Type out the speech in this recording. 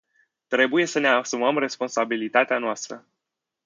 Trebuie să ne asumăm responsabilitatea noastră.